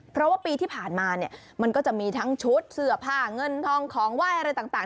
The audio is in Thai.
เพราะว่าปีที่ผ่านมาเนี่ยมันก็จะมีทั้งชุดเสื้อผ้าเงินทองของไหว้อะไรต่าง